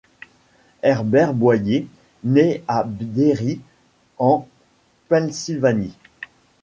Herbert Boyer naît à Derry en Pennsylvanie.